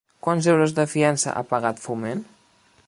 Quants euros de fiança ha pagat Foment?